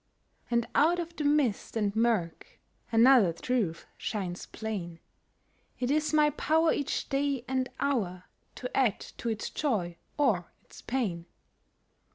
And out of the mist and murk Another truth shines plain— It is my power each day and hour To add to its joy or its pain.